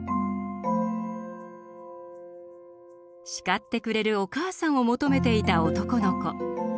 叱ってくれるおかあさんを求めていた男の子。